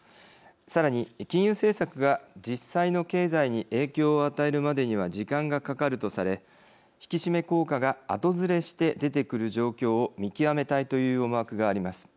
さらに、金融政策が実際の経済に影響を与えるまでには時間がかかるとされ引き締め効果が後ずれして出てくる状況を見極めたいという思惑があります。